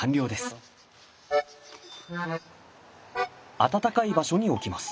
暖かい場所に置きます。